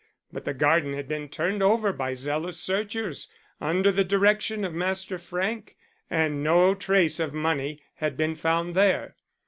But the garden had been turned over by zealous searchers under the direction of Master Frank, and no trace of money had been found there.